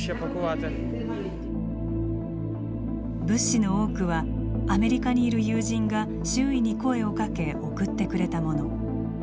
物資の多くはアメリカにいる友人が周囲に声をかけ送ってくれたもの。